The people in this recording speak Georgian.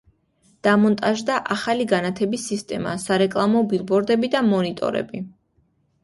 დამონტაჟდა ახალი განათების სისტემა, სარეკლამო ბილბორდები და მონიტორები.